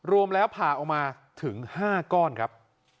รวมแล้วผ่าออกมาถึง๕ก้อนครับ